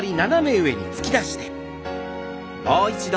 もう一度。